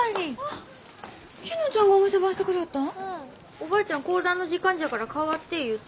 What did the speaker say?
おばあちゃん講談の時間じゃから代わって言うて。